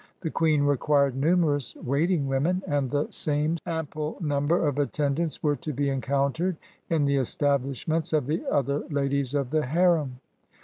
The queen required numerous waiting women, and the same ample number of attendants were to be encountered in the establishments of the other ladies of the harem.